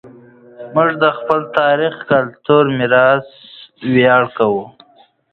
موږ په خپل تاریخي او کلتوري میراث ویاړ کوو.